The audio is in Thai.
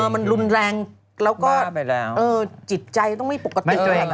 อ๋อมันรุนแรงแล้วก็เออจิตใจต้องมีปกติ